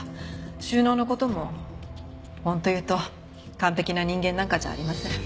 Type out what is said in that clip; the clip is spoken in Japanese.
収納の事も本当言うと完璧な人間なんかじゃありません。